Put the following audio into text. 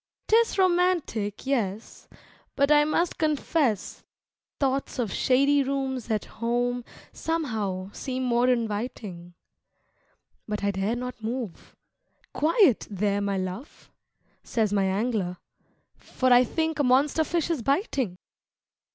'Tis romantic, yes, but I must confess Thoughts of shady rooms at home somehow seem more inviting. But I dare not move "Quiet, there, my love!" Says my Angler, "for I think a monster fish is biting."